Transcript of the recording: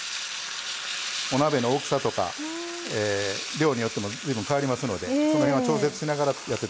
お鍋の大きさとか量によっても随分変わりますのでその辺は調節しながらやっていってください。